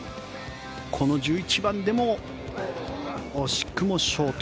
この１１番でも惜しくもショート。